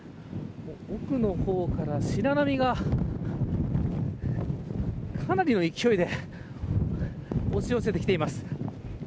奥の方から白波がかなりの勢いで押し寄せてきています。